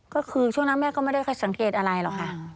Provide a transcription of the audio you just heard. ก็คือช่วงนั้นแม่ก็ไม่ได้เคยสังเกตอะไรหรอกค่ะ